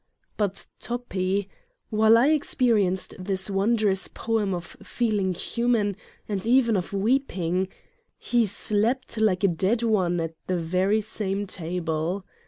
But Toppi! While I experienced this won drous poem of feeling human and even of weep ing, he slept like a dead one at the very same table.